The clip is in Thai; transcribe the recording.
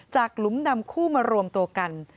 จากลุ้มดำคู่มารวมตัวกัน